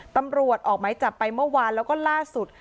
ตำรวจออกไม้จับไปเมื่อวานแล้วก็ล่าสุด